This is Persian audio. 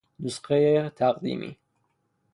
نسخهُ تقدیمی